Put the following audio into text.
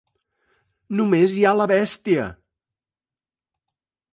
"Només hi ha la bèstia!".